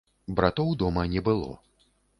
Братоў дома не было.